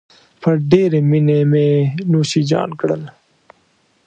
په ډېرې مينې مې نوشیجان کړل.